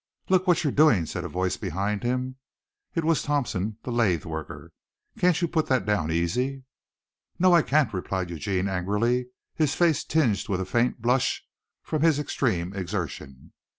"Look what you're doin'," said a voice behind him. It was Thompson, the lathe worker. "Can't you put that down easy?" "No, I can't," replied Eugene angrily, his face tinged with a faint blush from his extreme exertion.